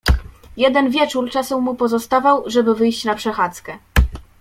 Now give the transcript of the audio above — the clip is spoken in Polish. "Jeden wieczór czasem mu pozostawał, aby wyjść na przechadzkę."